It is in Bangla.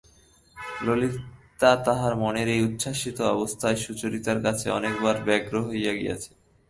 ললিতা তাহার মনের এই উচ্ছ্বসিত অবস্থায় সুচরিতার কাছে অনেকবার ব্যগ্র হইয়া গিয়াছে।